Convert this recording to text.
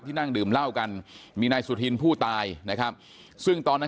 ที่เกิดเกิดเหตุอยู่หมู่๖บ้านน้ำผู้ตะมนต์ทุ่งโพนะครับที่เกิดเกิดเหตุอยู่หมู่๖บ้านน้ำผู้ตะมนต์ทุ่งโพนะครับ